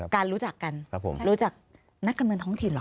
รู้จักกันรู้จักนักการเมืองท้องถิ่นเหรอ